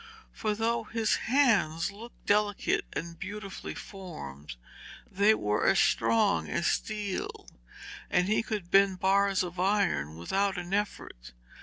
For though his hands looked delicate and beautifully formed, they were as strong as steel, and he could bend bars of iron without an effort.